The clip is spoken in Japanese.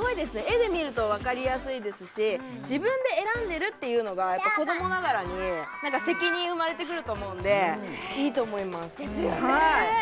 絵で見るとわかりやすいですし自分で選んでるっていうのがやっぱ子どもながらに責任生まれてくると思うんでいいと思いますですよね